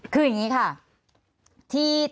คืออย่างนี้ค่ะ